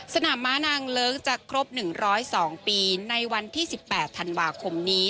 ม้านางเลิ้งจะครบ๑๐๒ปีในวันที่๑๘ธันวาคมนี้